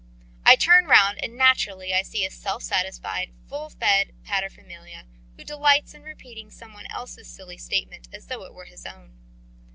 I turn round and naturally I see a self satisfied, full fed paterfamilias, who delights in repeating some one else's silly statement as though it were his own.